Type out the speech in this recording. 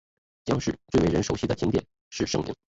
姜市最为人熟悉的景点是圣陵。